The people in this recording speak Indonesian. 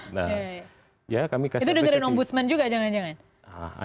itu dengerin om budsman juga jangan jangan